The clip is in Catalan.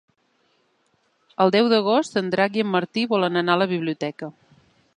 El deu d'agost en Drac i en Martí volen anar a la biblioteca.